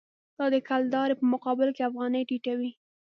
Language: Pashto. دا د کلدارې په مقابل کې افغانۍ ټیټوي.